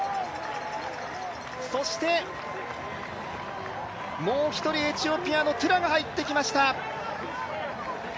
そしてもう一人、エチオピアのトゥラが入ってきました。